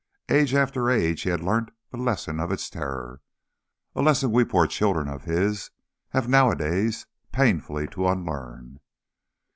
Age after age he had learnt the lesson of its terror a lesson we poor children of his have nowadays painfully to unlearn.